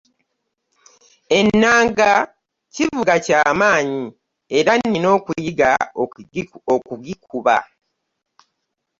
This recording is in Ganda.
Ennanga Kivuga kya maanyi era nina okuyiga okugikuba.